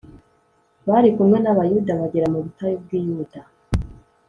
bari kumwe n’Abayuda, bagera mu butayu bw’i Buyuda